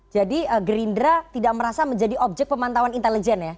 jadi gerindra tidak merasa menjadi objek pemantauan intelijen ya